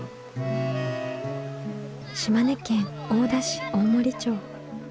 島根県大田市大森町。